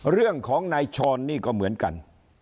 เรื่องของนายชรนี่ก็เหมือนกัน